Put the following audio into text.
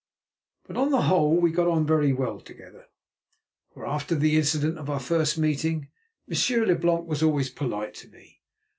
But, on the whole, we got on very well together, for, after the incident of our first meeting, Monsieur Leblanc was always polite to me.